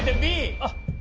あっ。